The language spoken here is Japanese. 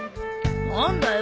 何だよ。